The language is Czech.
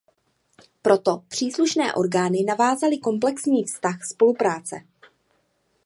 Proto příslušné orgány navázaly komplexní vztah spolupráce.